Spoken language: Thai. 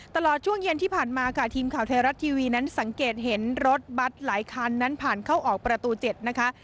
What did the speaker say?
ตลอดช่วงเย็นที่ผ่านมาค่ะทีมข่าวไทยรัฐทีวีนั้นสังเกตเห็นรถบัตรหลายคันนั้นผ่านเข้าออกประตู๗นะคะ